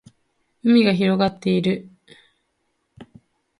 海が広がっている